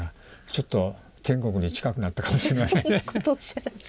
ちょっと天国に近くなったかもしれません。